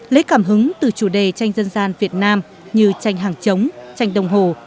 lấy cảm hứng từ chủ đề tranh dân gian việt nam như tranh hàng chống tranh đồng hồ